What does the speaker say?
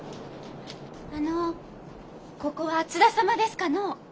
あのここは津田様ですかのう？